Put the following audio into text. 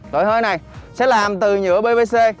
đội hơi này sẽ làm từ nhựa pvc